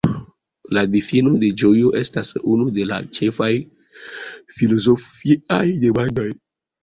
La difino de ĝojo estas unu de la ĉefaj filozofiaj demandoj.